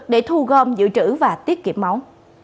để thu gom giữ trữ và tiết kiệm máu